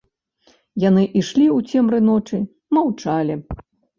Яны ішлі ў цемры ночы, маўчалі.